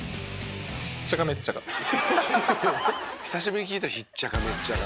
「久しぶりに聞いたしっちゃかめっちゃかって」